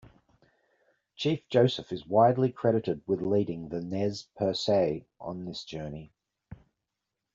Chief Joseph is widely credited with leading the Nez Perce on this journey.